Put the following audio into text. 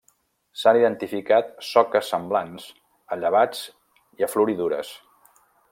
S'han identificat soques semblants a llevats i a floridures.